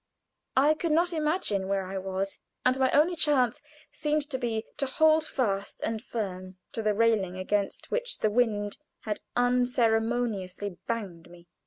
I could not imagine where I was, and my only chance seemed to be to hold fast and firm to the railing against which the wind had unceremoniously banged me.